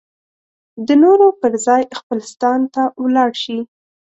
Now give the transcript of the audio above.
د نورو پر ځای خپل ستان ته ولاړ شي.